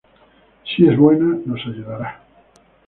Si es buena, nos ayudará".